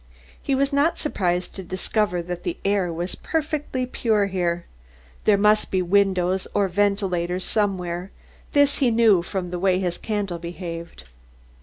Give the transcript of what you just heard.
He was not surprised to discover that the air was perfectly pure here. There must be windows or ventilators somewhere, this he knew from the way his candle behaved.